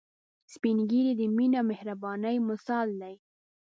سپین ږیری د مينه او مهربانۍ مثال دي